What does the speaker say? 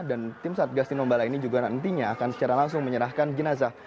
dan tim satgas tindombala ini juga nantinya akan secara langsung menyerahkan jenazah